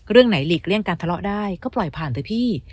เรื่องไหนหลีกเลี่ยงการทะเลาะได้ก็ปล่อยผ่านเถอะพี่